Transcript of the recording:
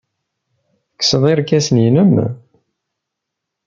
Tekkseḍ irkasen-nnem.